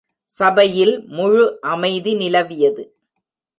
சபையில் முழு அமைதி நிலவியது.